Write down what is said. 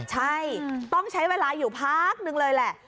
ใช่ต้องใช้เวลาอยู่พักนึงเลยแหละ